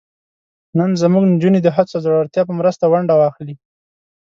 نن زموږ نجونې د هڅو او زړورتیا په مرسته ونډه واخلي.